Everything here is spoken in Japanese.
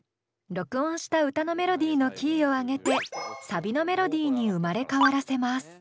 録音した歌のメロディーのキーを上げてサビのメロディーに生まれ変わらせます。